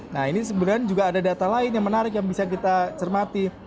nah ini sebenarnya juga ada data lain yang menarik yang bisa kita cermati